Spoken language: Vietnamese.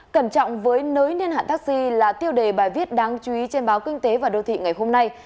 cẩn trọng với nới niên hạn taxi là tiêu đề bài viết đáng chú ý trên báo kinh tế và đô thị ngày hôm nay